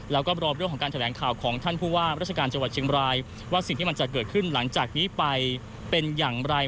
แล้วก็รอเรื่องของการแถลงข่าวของท่านผู้ว่าราชการจังหวัดเชียงบรายว่าสิ่งที่มันจะเกิดขึ้นหลังจากนี้ไปเป็นอย่างไร